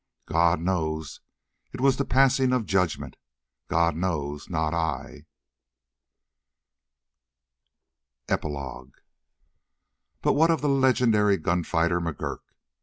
God knows..." It was the passing of Judgment. "God knows...not I." Epilogue But what of the legendary gunfighter, McGurk?